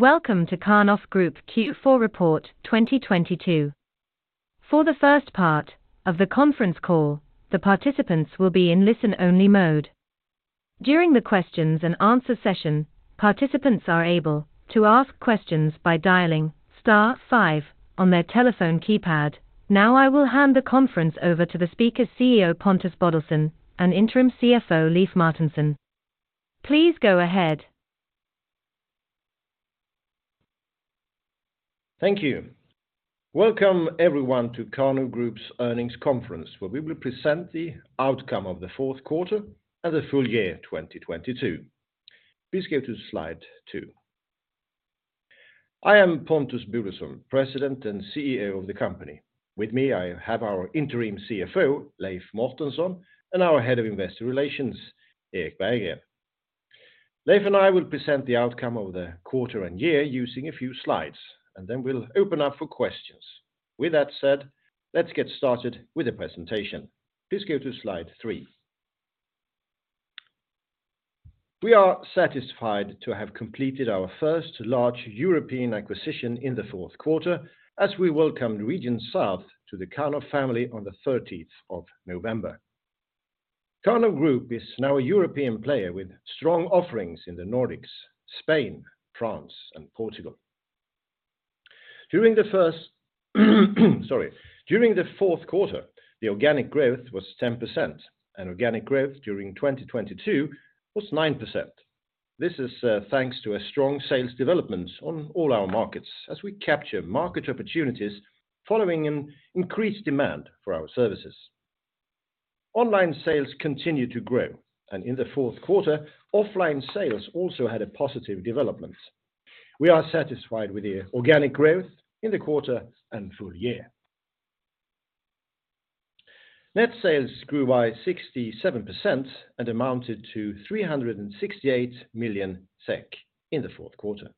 Welcome to Karnov Group Q4 Report 2022. For the first part of the conference call, the participants will be in listen-only mode. During the questions and answer session, participants are able to ask questions by dialing star 5 on their telephone keypad. I will hand the conference over to the speaker, CEO Pontus Bodelsson, and interim CFO Leif Mårtensson. Please go ahead. Thank you. Welcome, everyone, to Karnov Group's earnings conference, where we will present the outcome of the fourth 1/4 and the full year 2022. Please go to Slide 2. I am Pontus Bodelsson, President and CEO of the company. With me, I have our Interim CFO, Leif Mårtensson, and our Head of Investor Relations, Erik Berggren. Leif and I will present the outcome of the 1/4 and year using a few Slides, and then we'll open up for questions. With that said, let's get started with the presentation. Please go to Slide 3. We are satisfied to have completed our first large European acquisition in the fourth 1/4 as we welcome Region South to the Karnov family on the 13th of November. Karnov Group is now a European player with strong offerings in the Nordics, Spain, France, and Portugal. During the first. Sorry. During the fourth 1/4, the organic growth was 10%, and organic growth during 2022 was 9%. This is thanks to a strong sales development on all our markets as we capture market opportunities following an increased demand for our services. Online sales continue to grow, and in the fourth 1/4, offline sales also had a positive development. We are satisfied with the organic growth in the 1/4 and full year. Net sales grew by 67% and amounted to 368 million SEK in the fourth 1/4.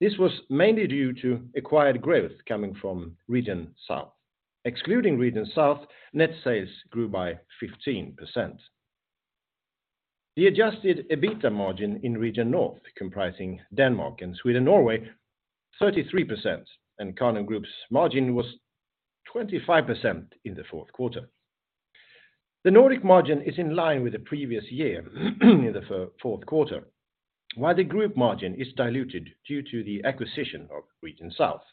This was mainly due to acquired growth coming from Region South. Excluding Region South, net sales grew by 15%. The adjusted EBITDA margin in Region North, comprising Denmark and Sweden/Norway, 33%, and Karnov Group's margin was 25% in the fourth 1/4. The Nordic margin is in line with the previous year in the fourth 1/4, while the group margin is diluted due to the acquisition of Region South.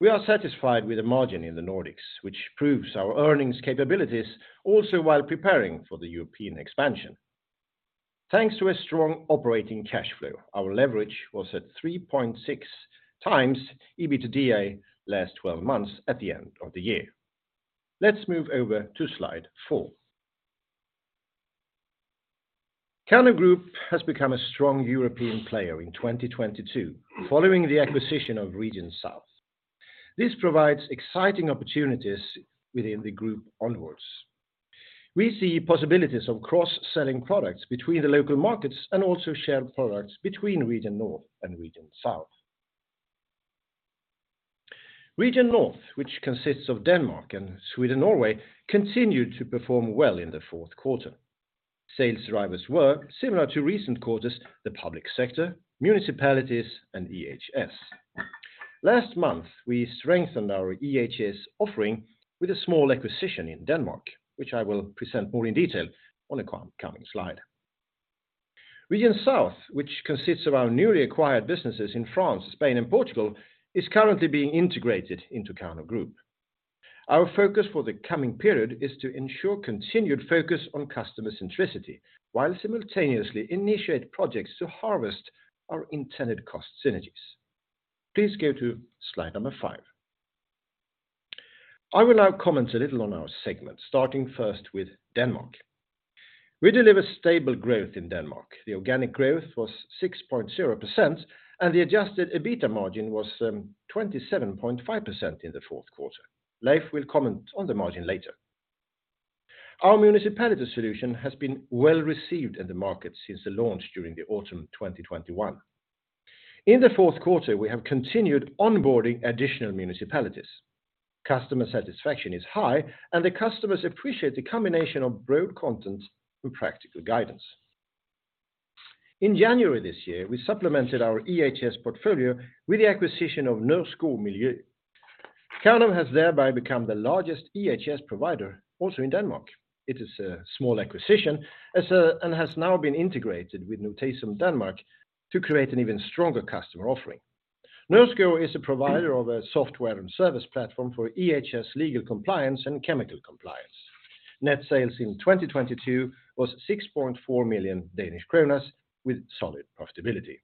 We are satisfied with the margin in the Nordics, which proves our earnings capabilities also while preparing for the European expansion. Thanks to a strong operating cash flow, our leverage was at 3.6x EBITDA last twelve months at the end of the year. Let's move over to Slide 4. Karnov Group has become a strong European player in 2022 following the acquisition of Region South. This provides exciting opportunities within the group onwards. We see possibilities of Cross-Selling products between the local markets and also share products between Region North and Region South. Region North, which consists of Denmark and Sweden/Norway, continued to perform well in the fourth 1/4. Sales drivers were similar to recent quarters, the public sector, municipalities, and EHS. Last month, we strengthened our EHS offering with a small acquisition in Denmark, which I will present more in detail on a coming Slide. Region South, which consists of our newly acquired businesses in France, Spain, and Portugal, is currently being integrated into Karnov Group. Our focus for the coming period is to ensure continued focus on customer centricity while simultaneously initiate projects to harvest our intended cost synergies. Please go to Slide number 5. I will now comment a little on our segment, starting first with Denmark. We deliver stable growth in Denmark. The organic growth was 6.0%, and the adjusted EBITDA margin was 27.5% in the fourth 1/4. Leif will comment on the margin later. Our municipality solution has been well received in the market since the launch during the autumn 2021. In the fourth 1/4, we have continued onboarding additional municipalities. Customer satisfaction is high, and the customers appreciate the combination of broad content and practical guidance. In January this year, we supplemented our EHS portfolio with the acquisition of Nørskov Miljø. Karnov has thereby become the largest EHS provider also in Denmark. It is a small acquisition and has now been integrated with Notisum Denmark to create an even stronger customer offering. Nørskov Miljø is a provider of a software and service platform for EHS legal compliance and chemical compliance. Net sales in 2022 was 6.4 million Danish kroner with solid profitability.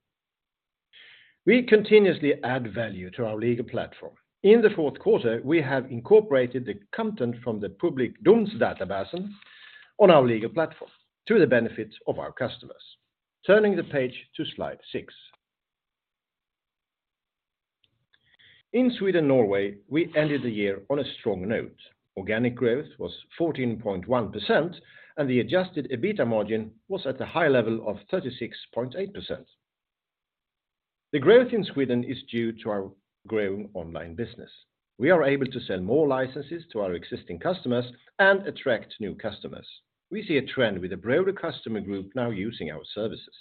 We continuously add value to our legal platform. In the fourth 1/4, we have incorporated the content from the public Domsdatabasen on our legal platform to the benefit of our customers. Turning the page to Slide 6. In Sweden/Norway, we ended the year on a strong note. Organic growth was 14.1%, and the adjusted EBITDA margin was at the high level of 36.8%. The growth in Sweden is due to our growing online business. We are able to sell more licenses to our existing customers and attract new customers. We see a trend with a broader customer group now using our services.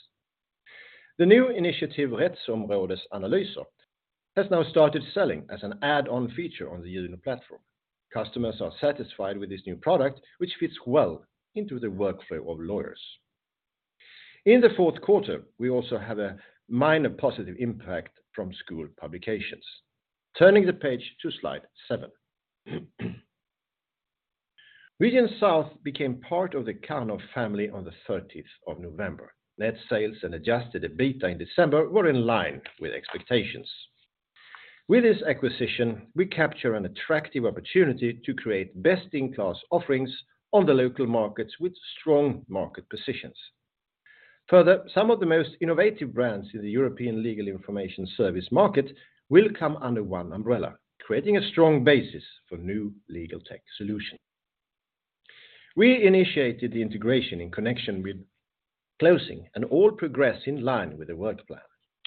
The new initiative, Rättsområdesanalyser, has now started selling as an Add-On feature on the JUNO platform. Customers are satisfied with this new product, which fits well into the workflow of lawyers. In the fourth 1/4, we also have a minor positive impact from school publications. Turning the page to Slide 7. Region South became part of the Karnov family on the 30th of November. Net sales and adjusted EBITDA in December were in line with expectations. With this acquisition, we capture an attractive opportunity to create best-in-class offerings on the local markets with strong market positions. Further, some of the most innovative brands in the European legal information service market will come under one umbrella, creating a strong basis for new legal tech solutions. We initiated the integration in connection with closing and all progress in line with the work plan.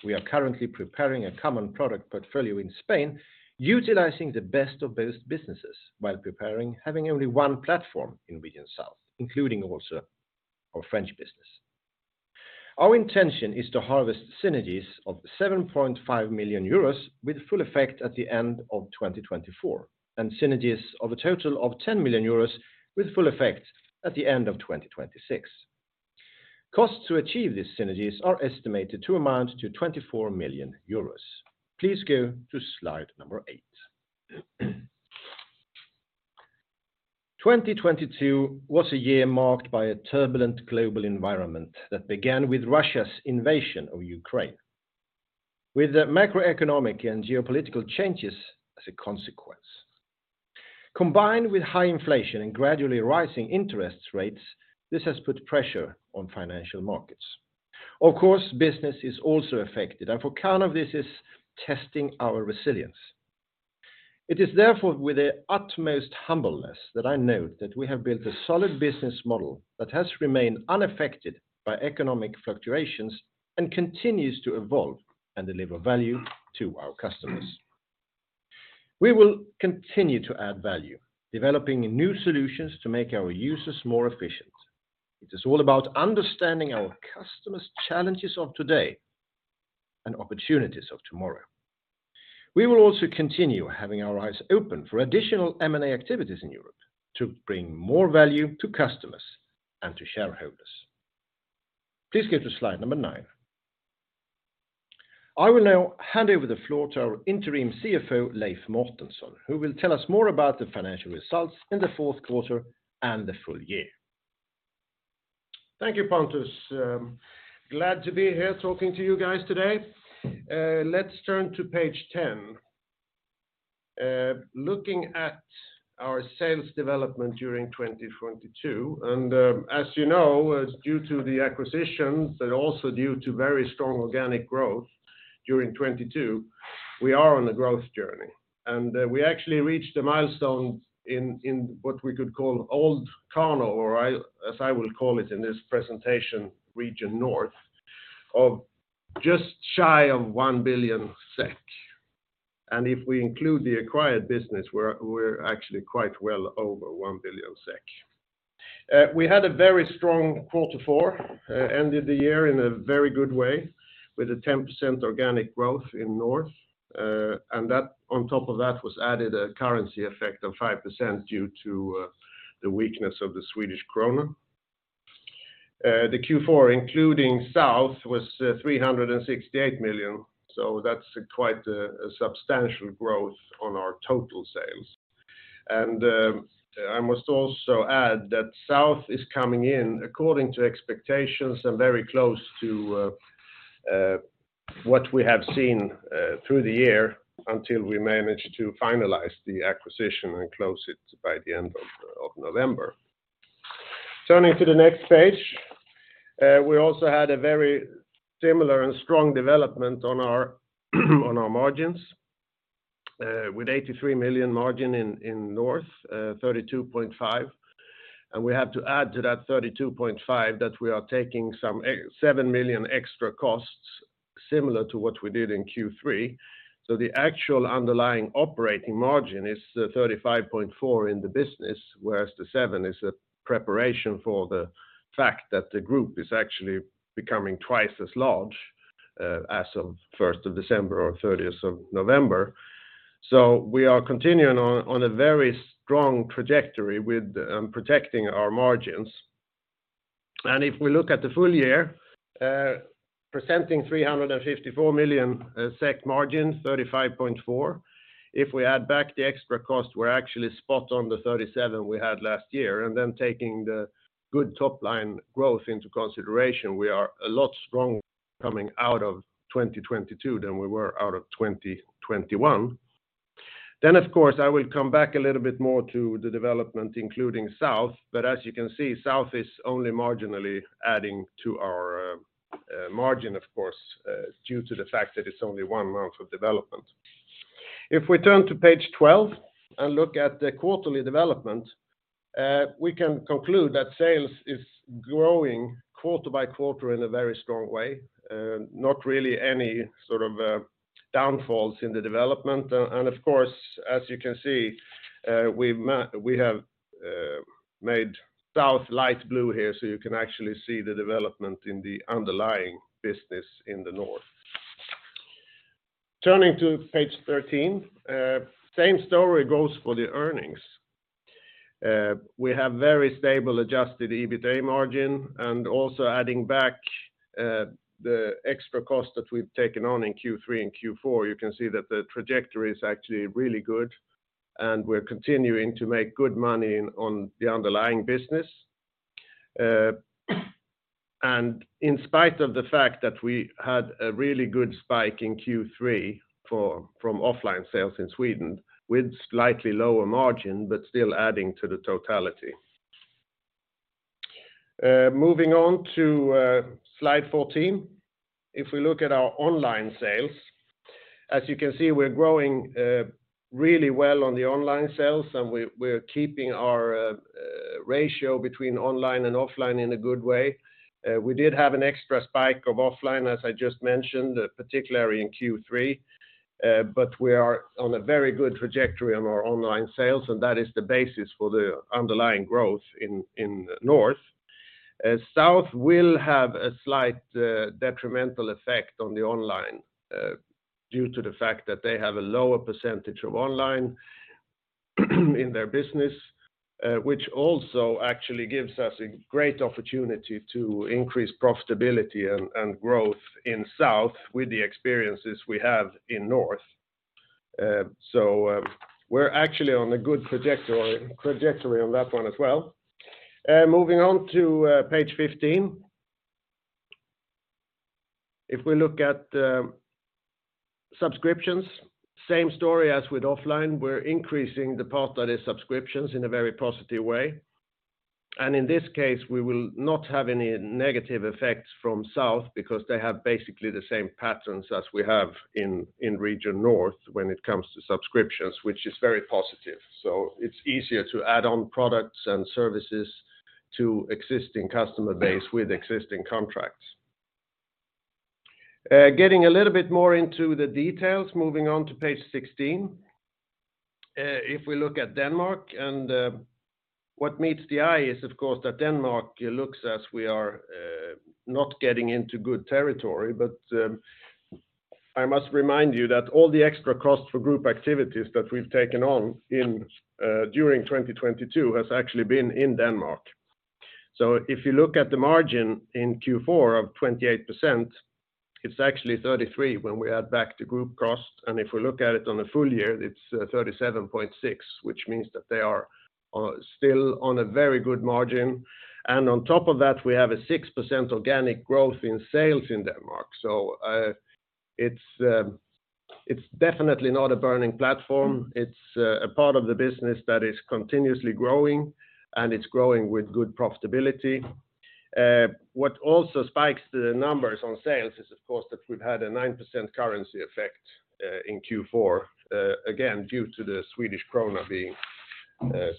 We are currently preparing a common product portfolio in Spain, utilizing the best of both businesses while preparing having only one platform in Region South, including also our French business. Our intention is to harvest synergies of 7.5 million euros with full effect at the end of 2024, and synergies of a total of 10 million euros with full effect at the end of 2026. Costs to achieve these synergies are estimated to amount to 24 million euros. Please go to Slide number 8. 2022 was a year marked by a turbulent global environment that began with Russia's invasion of Ukraine, with macroeconomic and geopolitical changes as a consequence. Combined with high inflation and gradually rising interest rates, this has put pressure on financial markets. Of course, business is also affected, and for Karnov, this is testing our resilience. It is therefore with the utmost humbleness that I note that we have built a solid business model that has remained unaffected by economic fluctuations and continues to evolve and deliver value to our customers. We will continue to add value, developing new solutions to make our users more efficient. It is all about understanding our customers' challenges of today and opportunities of tomorrow. We will also continue having our eyes open for additional M&A activities in Europe to bring more value to customers and to shareholders. Please go to Slide number 9. I will now hand over the floor to our Interim CFO, Leif Mårtensson, who will tell us more about the financial results in the fourth 1/4 and the full year. Thank you, Pontus. glad to be here talking to you guys today. Let's turn to page 10. Looking at our sales development during 2022, as you know, due to the acquisitions but also due to very strong organic growth during 2022, we are on a growth journey. We actually reached a milestone in what we could call old Karnov, or as I will call it in this presentation, Region North, of just shy of 1 billion SEK. If we include the acquired business, we're actually quite well over 1 billion SEK. We had a very strong 1/4 four, ended the year in a very good way with a 10% organic growth in North. That. On top of that was added a currency effect of 5% due to the weakness of the Swedish krona. The Q4, including South, was 368 million. That's quite a substantial growth on our total sales. I must also add that South is coming in according to expectations and very close to what we have seen through the year until we managed to finalize the acquisition and close it by the end of November. Turning to the next page, we also had a very similar and strong development on our margins, with 83 million margin in North, 32.5%. We have to add to that 32.5% that we are taking some 7 million extra costs similar to what we did in Q3. The actual underlying operating margin is 35.4% in the business, whereas 7 million is a preparation for the fact that the group is actually becoming twice as large as of the 1st of December or 30th of November. We are continuing on a very strong trajectory with protecting our margins. If we look at the full year, presenting 354 million SEK, SEK margin, 35.4%. If we add back the extra cost, we're actually spot on the 37% we had last year. Taking the good Top-Line growth into consideration, we are a lot stronger coming out of 2022 than we were out of 2021. Of course, I will come back a little bit more to the development, including South. As you can see, South is only marginally adding to our margin, of course, due to the fact that it's only one month of development. We turn to page 12 and look at the quarterly development, we can conclude that sales is growing 1/4 by 1/4 in a very strong way. Not really any sort of downfalls in the development. Of course, as you can see, we have Made South light blue here so you can actually see the development in the underlying business in the North. Turning to page 13, same story goes for the earnings. We have very stable adjusted EBITA margin and also adding back the extra cost that we've taken on in Q3 and Q4, you can see that the trajectory is actually really good, and we're continuing to make good money on the underlying business. In spite of the fact that we had a really good spike in Q3 from offline sales in Sweden with slightly lower margin, but still adding to the totality. Moving on to Slide 14. If we look at our online sales, as you can see, we're growing really well on the online sales, we're keeping our ratio between online and offline in a good way. We did have an extra spike of offline, as I just mentioned, particularly in Q3, but we are on a very good trajectory on our online sales, and that is the basis for the underlying growth in Region North. Region South will have a slight detrimental effect on the online, due to the fact that they have a lower percentage of online, in their business, which also actually gives us a great opportunity to increase profitability and growth in Region South with the experiences we have in Region North. So, we're actually on a good trajectory on that one as well. Moving on to page 15. If we look at the subscriptions, same story as with offline. We're increasing the pro rata subscriptions in a very positive way. In this case, we will not have any negative effects from South because they have basically the same patterns as we have in Region North when it comes to subscriptions, which is very positive. It's easier to add on products and services to existing customer base with existing contracts. Getting a little bit more into the details, moving on to page 16. If we look at Denmark, what meets the eye is, of course, that Denmark looks as we are not getting into good territory, but I must remind you that all the extra cost for group activities that we've taken on during 2022 has actually been in Denmark. If you look at the margin in Q4 of 28%, it's actually 33% when we add back to group cost. If we look at it on a full year, it's 37.6%, which means that they are still on a very good margin. On top of that, we have a 6% organic growth in sales in Denmark. It's definitely not a burning platform. It's a part of the business that is continuously growing, and it's growing with good profitability. What also spikes the numbers on sales is, of course, that we've had a 9% currency effect in Q4, again, due to the Swedish krona being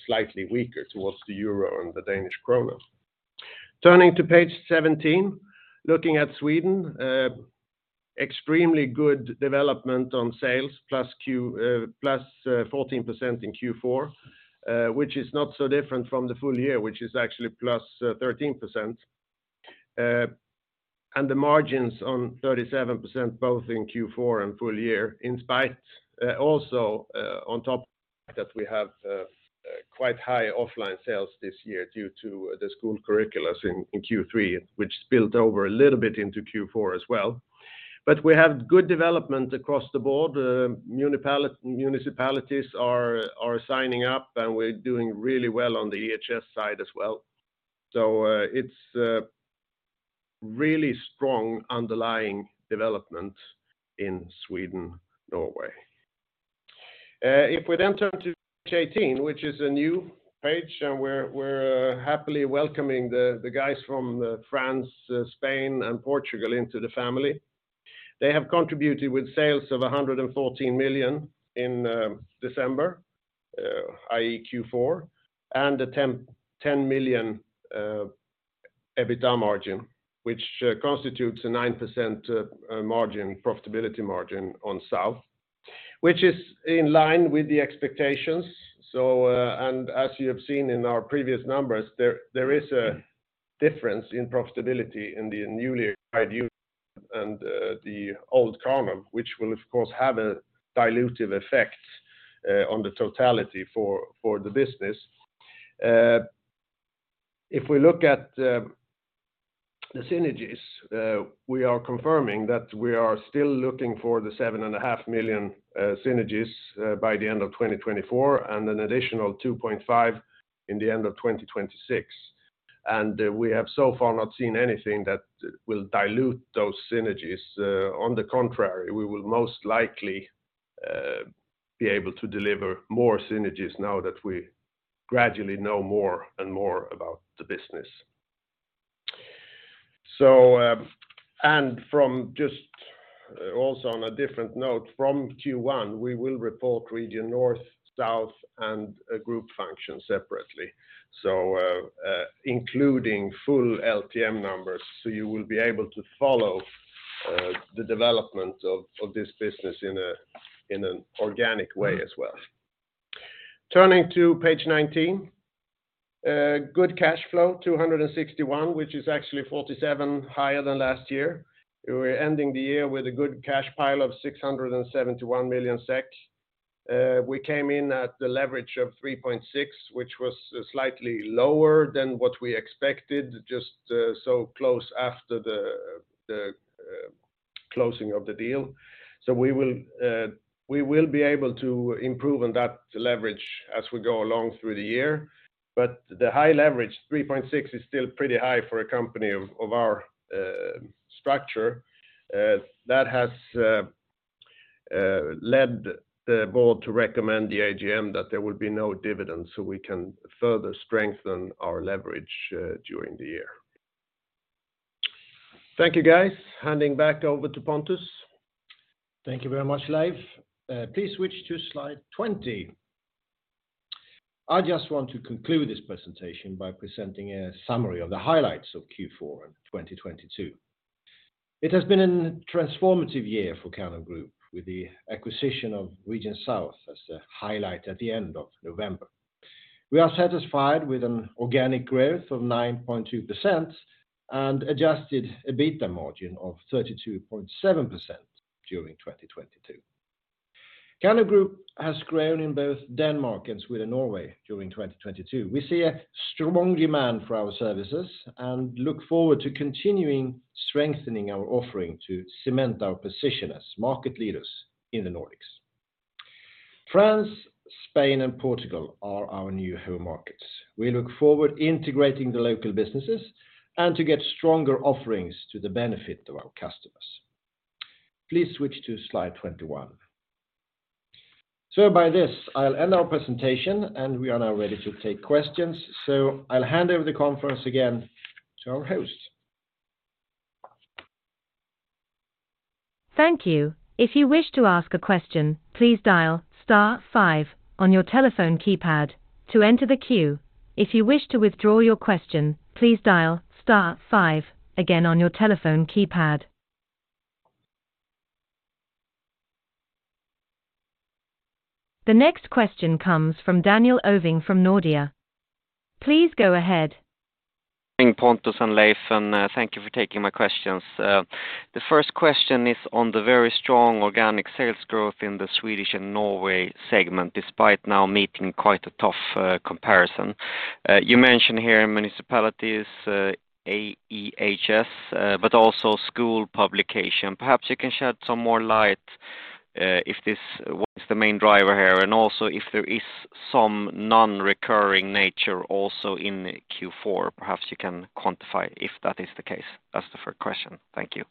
slightly weaker towards the Euro and the Danish krona. Turning to page 17, looking at Sweden, extremely good development on sales plus 14% in Q4, which is not so different from the full year, which is actually plus 13%. The margins on 37%, both in Q4 and full year, in spite, also, on top that we have, quite high offline sales this year due to the school curricula in Q3, which spilled over a little bit into Q4 as well. We have good development across the board. Municipalities are signing up, and we're doing really well on the EHS side as well. It's a really strong underlying development in Sweden, Norway. If we then turn to page 18, which is a new page, and we're happily welcoming the guys from France, Spain and Portugal into the family. They have contributed with sales of 114 million in December, i.e. Q4, a 10 million EBITDA margin, which constitutes a 9% margin, profitability margin on South, which is in line with the expectations. As you have seen in our previous numbers, there is a difference in profitability in the newly acquired and the old Karnov, which will, of course, have a dilutive effect on the totality for the business. If we look at the synergies, we are confirming that we are still looking for the 7.5 million synergies by the end of 2024 and an additional 2.5 million in the end of 2026. We have so far not seen anything that will dilute those synergies. On the contrary, we will most likely be able to deliver more synergies now that we gradually know more and more about the business. From just also on a different note, from Q1, we will report Region North, Region South and a group function separately. Including full LTM numbers, so you will be able to follow the development of this business in an organic way as well. Turning to page 19. Good cash flow 261, which is actually 47 higher than last year. We're ending the year with a good cash pile of 671 million SEK. We came in at the leverage of 3.6, which was slightly lower than what we expected, just so close after the closing of the deal. We will be able to improve on that leverage as we go along through the year. The high leverage, 3.6, is still pretty high for a company of our structure. That has led the board to recommend the AGM that there will be no dividends, so we can further strengthen our leverage during the year. Thank you, guys. Handing back over to Pontus. Thank you very much, Leif. Please switch to Slide 20. I just want to conclude this presentation by presenting a summary of the highlights of Q4 in 2022. It has been a transformative year for Karnov Group with the acquisition of Region South as a highlight at the end of November. We are satisfied with an organic growth of 9.2% and adjusted EBITDA margin of 32.7% during 2022. Karnov Group has grown in both Denmark and Sweden, Norway during 2022. We see a strong demand for our services and look forward to continuing strengthening our offering to cement our position as market leaders in the Nordics. France, Spain, and Portugal are our new home markets. We look forward to integrating the local businesses and to get stronger offerings to the benefit of our customers. Please switch to Slide 21. By this, I'll end our presentation. We are now ready to take questions. I'll hand over the conference again to our host. Thank you. If you wish to ask a question, please dial star 5 on your telephone keypad to enter the queue. If you wish to withdraw your question, please dial star 5 again on your telephone keypad. The next question comes from Daniel Ovin from Nordea. Please go ahead. Oving, Pontus, and Leif, thank you for taking my questions. The first question is on the very strong organic sales growth in the Swedish and Norway segment, despite now meeting quite a tough comparison. You mentioned here in municipalities, EHS, also school publication. Perhaps you can shed some more light if this was the main driver here, and also if there is some Non-Recurring nature also in Q4. Perhaps you can quantify if that is the case. That's the first question. Thank you.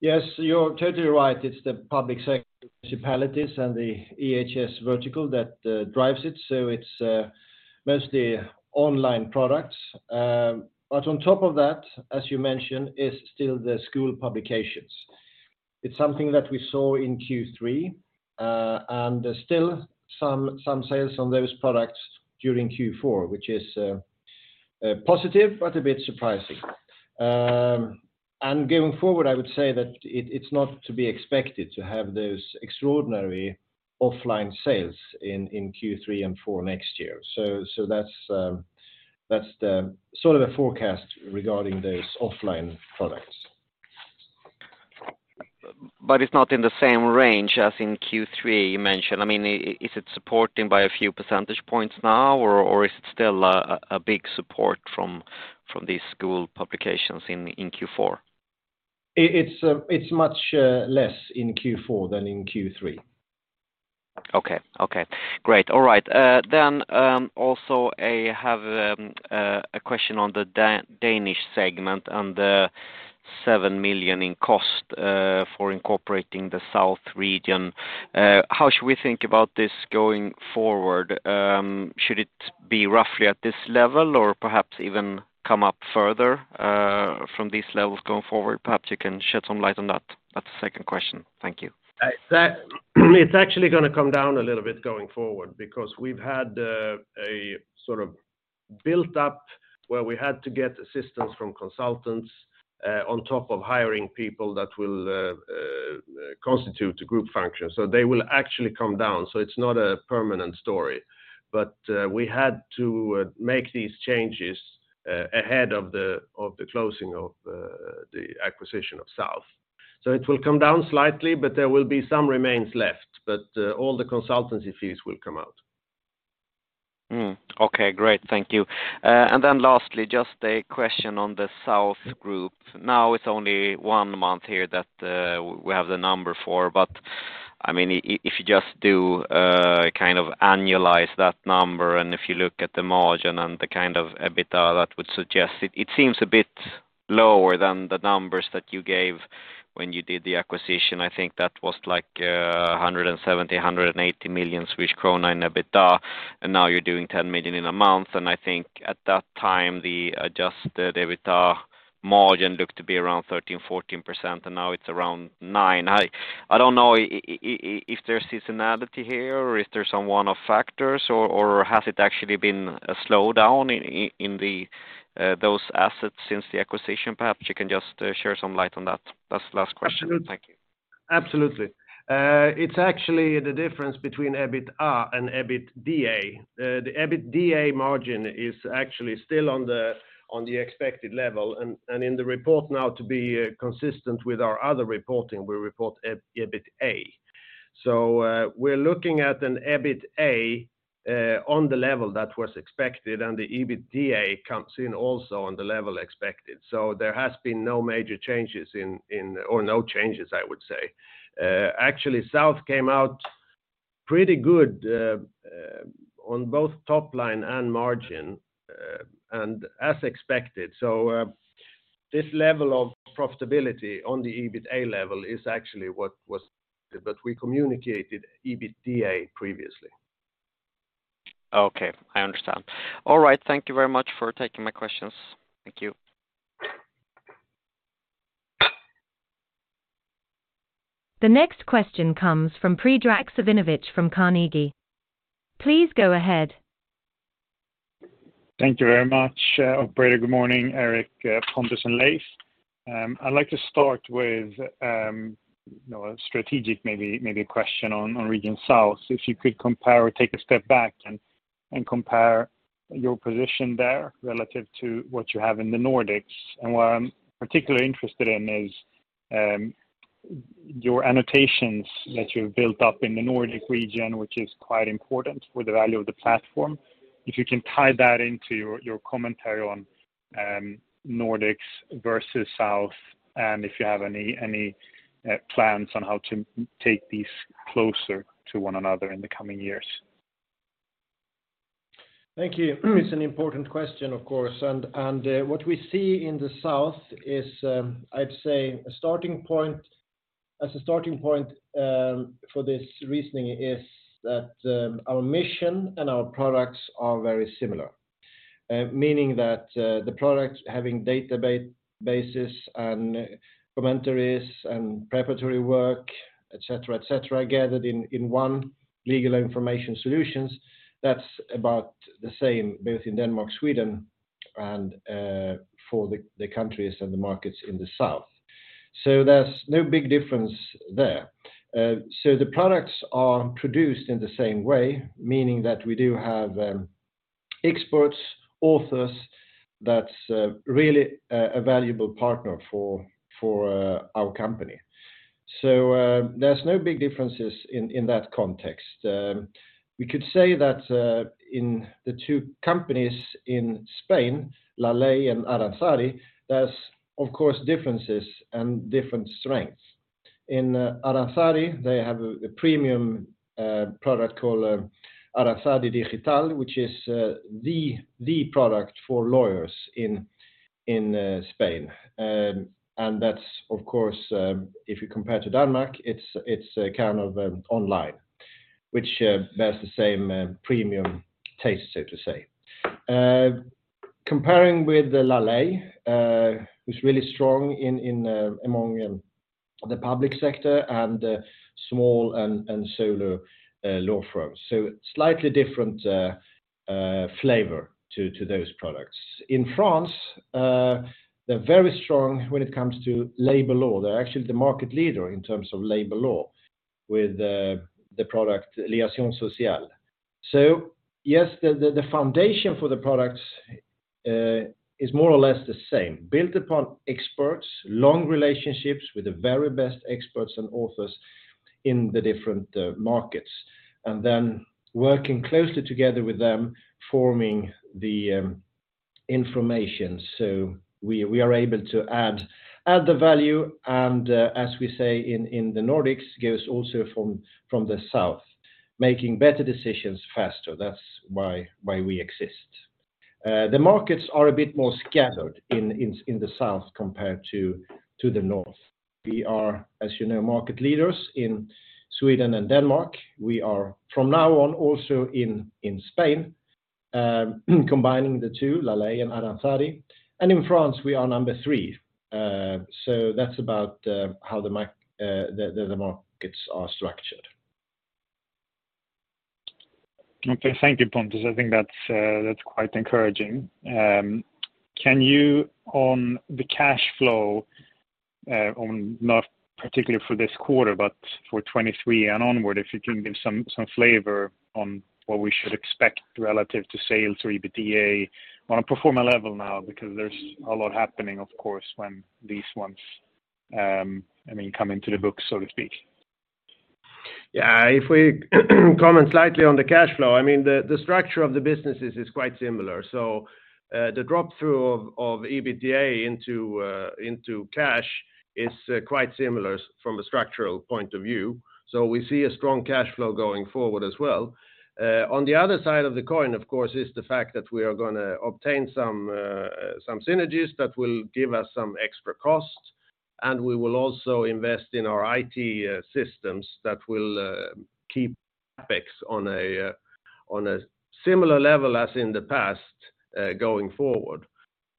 Yes, you're totally right. It's the public sector municipalities and the EHS vertical that drives it, so it's mostly online products. On top of that, as you mentioned, is still the school publications. It's something that we saw in Q3, and there's still some sales on those products during Q4, which is positive but a bit surprising. Going forward, I would say that it's not to be expected to have those extraordinary offline sales in Q3 and 4 next year. That's the sort of the forecast regarding those offline products. It's not in the same range as in Q3 you mentioned. I mean, is it supported by a few percentage points now, or is it still a big support from these school publications in Q4? It's much less in Q4 than in Q3. Okay. Okay. Great. All right. Then, also I have a question on the Danish segment and the 7 million SEK in cost for incorporating Region South. How should we think about this going forward? Should it be roughly at this level or perhaps even come up further from these levels going forward? Perhaps you can shed some light on that. That's the second question. Thank you. It's actually going to come down a little bit going forward because we've had a sort of built up where we had to get assistance from consultants on top of hiring people that will constitute the group function. They will actually come down. It's not a permanent story. We had to make these changes ahead of the closing of the acquisition of South. It will come down slightly, but there will be some remains left. All the consultancy fees will come out. Okay. Great. Thank you. Then lastly, just a question on the South Group. Now it's only 1 month here that, we have the number for, but I mean, if you just do, kind of annualize that number, and if you look at the margin and the kind of EBITDA that would suggest, it seems a bit lower than the numbers that you gave. When you did the acquisition, I think that was like, 170 Million-180 million krona in EBITDA, and now you're doing 10 million in a month. I think at that time, the adjusted EBITDA margin looked to be around 13%-14%, and now it's around 9%. I don't know if there's seasonality here or if there's some one-off factors, or has it actually been a slowdown in the those assets since the acquisition? Perhaps you can just share some light on that. That's the last question. Thank you. Absolutely. It's actually the difference between EBITDA and EBITA. The EBITDA margin is actually still on the, on the expected level. In the report now to be consistent with our other reporting, we report EBITA. We're looking at an EBITA on the level that was expected, and the EBITDA comes in also on the level expected. There has been no major changes or no changes, I would say. Actually, South came out pretty good on both top line and margin and as expected. This level of profitability on the EBITA level is actually what was, but we communicated EBITDA previously. Okay, I understand. All right. Thank you very much for taking my questions. Thank you. The next question comes from Predrag Savinovic from Carnegie. Please go ahead. Thank you very much, operator. Good morning, Erik, Pontus, and Leif. I'd like to start with, you know, a strategic maybe a question on Region South. If you could compare or take a step back and compare your position there relative to what you have in the Nordics. What I'm particularly interested in is your annotations that you built up in the Nordic region, which is quite important for the value of the platform. If you can tie that into your commentary on Nordics versus Region South, and if you have any plans on how to take these closer to one another in the coming years. Thank you. It's an important question, of course. What we see in the South is, I'd say a starting point. As a starting point, for this reasoning is that, our mission and our products are very similar, meaning that the product having database, and commentaries, and preparatory work, et cetera, et cetera, gathered in one legal information solutions. That's about the same, both in Denmark, Sweden, and for the countries and the markets in the South. There's no big difference there. The products are produced in the same way, meaning that we do have, experts, authors, that's, really, a valuable partner for our company. There's no big differences in that context. We could say that in the 2 companies in Spain, LA LEY and Aranzadi, there's of course differences and different strengths. In Aranzadi, they have a premium product called Aranzadi Digital, which is the product for lawyers in Spain. That's of course, if you compare to Denmark, it's a kind of online, which bears the same premium taste, so to say. Comparing with the LA LEY, who's really strong among the public sector and small and solo law firms. Slightly different flavor to those products. In France, they're very strong when it comes to labor law. They're actually the market leader in terms of labor law with the product Liaisons Sociales. Yes, the foundation for the products is more or less the same, built upon experts, long relationships with the very best experts and authors in the different markets, and then working closely together with them, forming the information. We are able to add the value, and as we say in the Nordics, goes also from the South, making better decisions faster. That's why we exist. The markets are a bit more scattered in the South compared to the North. We are, as you know, market leaders in Sweden and Denmark. We are from now on, also in Spain, combining the 2, LA LEY and Aranzadi. In France, we are number 3. That's about how the markets are structured. Okay. Thank you, Pontus. I think that's quite encouraging. Can you, on the cash flow, on not particularly for this 1/4, but for 2023 and onward, if you can give some flavor on what we should expect relative to sales or EBITDA on a pro forma level now, because there's a lot happening, of course, when these ones, I mean, come into the book, so to speak? If we comment slightly on the cash flow, I mean the structure of the businesses is quite similar. The drop through of EBITDA into cash is quite similar from a structural point of view. We see a strong cash flow going forward as well. On the other side of the coin, of course, is the fact that we are gonna obtain some synergies that will give us some extra costs. We will also invest in our IT systems that will keep CapEx on a similar level as in the past going forward.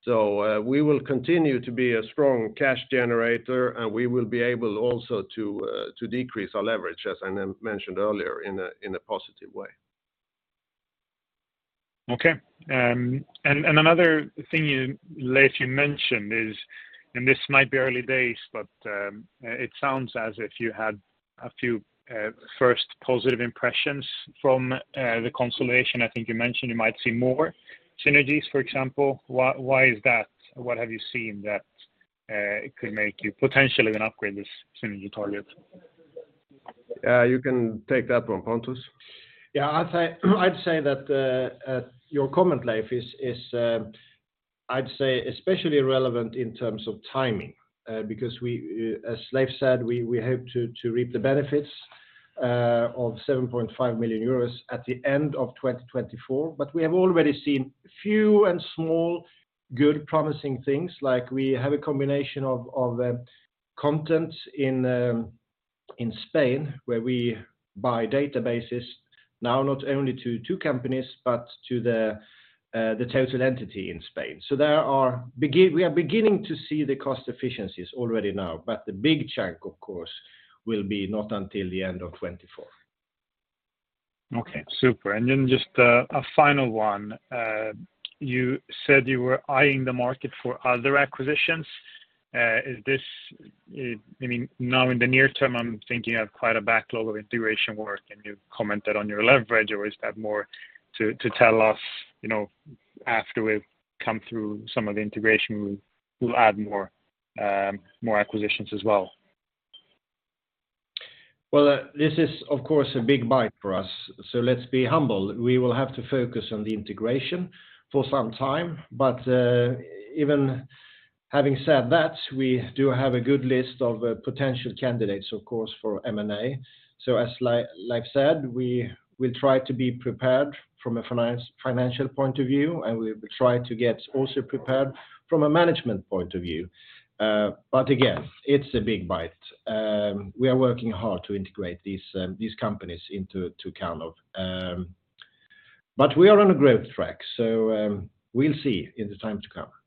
We will continue to be a strong cash generator, and we will be able also to decrease our leverage, as I mentioned earlier, in a positive way. Okay. Another thing Leif you mentioned is, and this might be early days, but it sounds as if you had a few first positive impressions from the consolidation. I think you mentioned you might see more synergies, for example. Why, why is that? What have you seen that could make you potentially even upgrade this synergy target? you can take that one, Pontus. Yeah. I'd say that your comment, Leif, is I'd say especially relevant in terms of timing, because as Leif said, we hope to reap the benefits of 7.5 million euros at the end of 2024. We have already seen few and small, good promising things. Like we have a combination of content in Spain, where we buy databases now not only to 2 companies, but to the total entity in Spain. We are beginning to see the cost efficiencies already now, but the big chunk, of course, will be not until the end of 2024. Okay, super. Just a final one. You said you were eyeing the market for other acquisitions. Is this, I mean, now in the near term, I'm thinking you have quite a backlog of integration work, and you've commented on your leverage, or is that more to tell us, you know, after we've come through some of the integration, we'll add more acquisitions as well? Well, this is, of course, a big bite for us, so let's be humble. We will have to focus on the integration for some time. Even having said that, we do have a good list of potential candidates, of course, for M&A. As Leif said, we will try to be prepared from a financial point of view, and we'll try to get also prepared from a management point of view. Again, it's a big bite. We are working hard to integrate these companies into Karnov. We are on a growth track, so we'll see in the time to come.